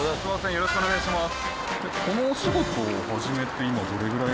よろしくお願いします。